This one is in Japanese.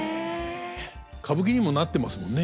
歌舞伎にもなってますもんね。